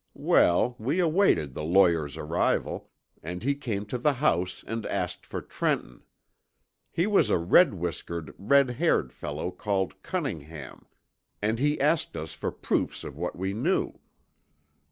Well, we awaited the lawyer's arrival, and he came to the house and asked for Trenton. He was a red whiskered, red haired fellow called Cunningham, and he asked us for proofs of what we knew.